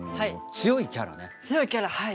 強いキャラはい。